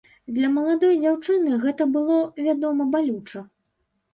Для маладой дзяўчыны гэта было, вядома, балюча.